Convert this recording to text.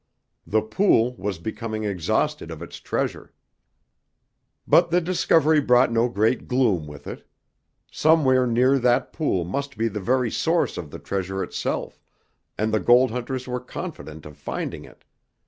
The pool was becoming exhausted of its treasure! But the discovery brought no great gloom with it. Somewhere near that pool must be the very source of the treasure itself, and the gold hunters were confident of finding it.